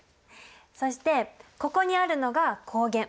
そしてここにあるのが抗原。